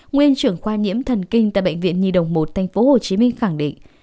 nguyên trưởng khoa nhiễm thần kinh tại bệnh viện nhi đồng một tp hcm khẳng định